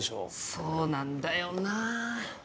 そうなんだよな。